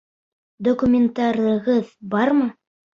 — Документтарығыҙ бармы?